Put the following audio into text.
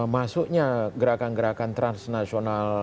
maksudnya gerakan gerakan transnasional